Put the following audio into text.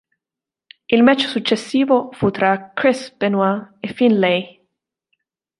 Il match successivo fu tra Chris Benoit e Finlay.